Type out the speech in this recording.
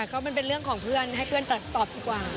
ก็มันเป็นเรื่องของเพื่อนให้เพื่อนตอบดีกว่า